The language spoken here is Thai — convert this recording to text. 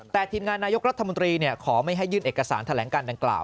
แต่ทีมงานนายกรัฐมนตรีขอไม่ให้ยื่นเอกสารแถลงการดังกล่าว